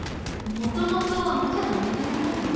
元々むちゃなお願いなんだからね